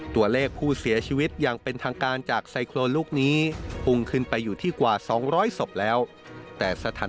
ตัวเลขผู้เสียชีวิต